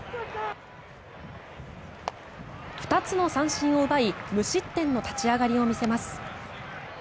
２つの三振を奪い無失点の立ち上がりを見せます。